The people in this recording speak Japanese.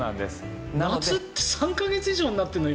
夏って３か月以上になってるの？